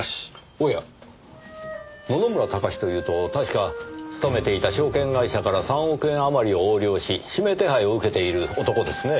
おや野々村高志というと確か勤めていた証券会社から３億円余りを横領し指名手配を受けている男ですね。